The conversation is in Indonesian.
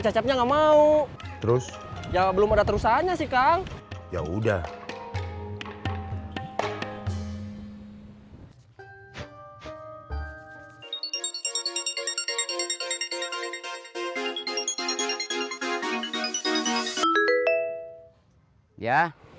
cepetnya enggak mau terus jawab belum ada terusannya sih kang ya udah ya